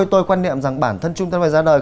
tôi quan niệm rằng bản thân trung tâm này ra đời